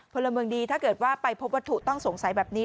พลเมืองดีถ้าเกิดว่าไปพบวัตถุต้องสงสัยแบบนี้